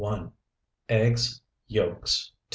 Eggs (yolks), 2.